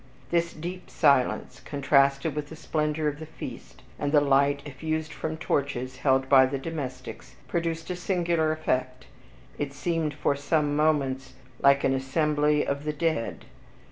This deep silence, contrasted with the splendor of the feast, and the light effused from torches held by the domestics, produced a singular effect, it seemed for some moments like an assembly of the dead.